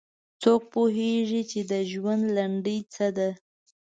څوک پوهیږي چې د ژوند لنډۍ څه ده